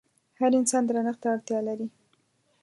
هر انسان درنښت ته اړتيا لري.